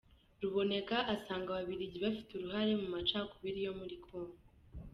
Ruboneka asanga Ababligi bafite uruhare mu macakubiri yo muri Congo.